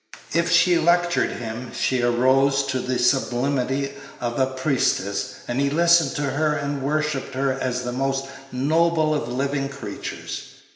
If she lectured him, she arose to the sublimity of a priestess, and he listened to her and worshipped her as the most noble of living creatures.